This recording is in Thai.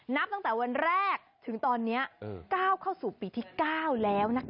นับตั้งแต่วันแรกถึงตอนนี้ก้าวเข้าสู่ปีที่๙แล้วนะคะ